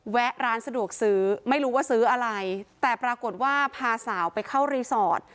แวะร้านสะดวกซื้อไม่รู้ว่าซื้ออะไรแต่ปรากฏว่าพาสาวไปเข้ารีสอร์ท